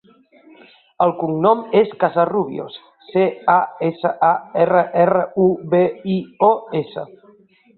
El cognom és Casarrubios: ce, a, essa, a, erra, erra, u, be, i, o, essa.